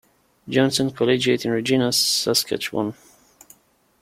Johnson Collegiate in Regina, Saskatchewan.